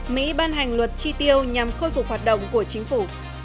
mỹ ban hành luật chi tiêu nhằm khôi phục hoạt động của chính phủ